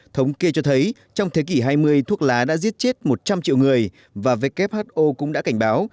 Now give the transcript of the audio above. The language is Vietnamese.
thống kê cho thấy trong thế kỷ hai mươi thuốc lá đã giết chết một trăm linh triệu người và who cũng đã cảnh báo